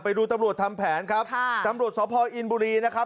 ตำรวจทำแผนครับค่ะตำรวจสพออินบุรีนะครับ